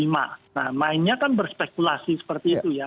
nah mainnya kan berspekulasi seperti itu ya